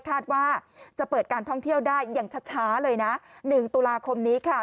คาดว่าจะเปิดการท่องเที่ยวได้อย่างช้าเลยนะ๑ตุลาคมนี้ค่ะ